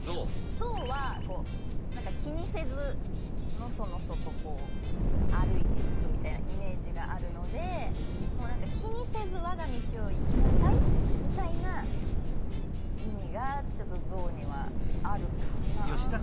象はこう気にせずのそのそとこう歩いていくみたいなイメージがあるのでもう何か気にせず我が道を行きなさいみたいな意味がちょっと象にはあるかなあ。